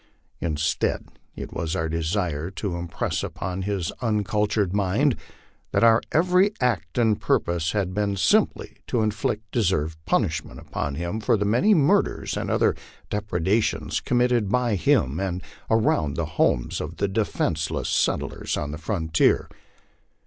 Instead, it was our desire to impress upon his uncultured mind that our every act and purpose had been simply to inflict deserved punishment upon him for the many murders and other depre dations committed by him in and around the homes of the defenceless settlers on the frontier.